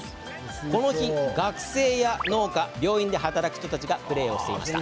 この日、学生や農家病院で働く人たちがプレーをしていました。